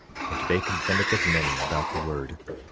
And they contended with many about the word.